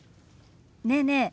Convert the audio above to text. ねえねえ